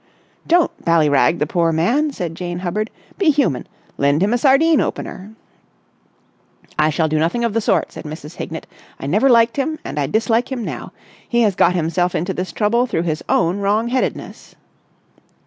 "Don't ballyrag the poor man," said Jane Hubbard. "Be human! Lend him a sardine opener!" "I shall do nothing of the sort," said Mrs. Hignett. "I never liked him and I dislike him now. He has got himself into this trouble through his own wrong headedness."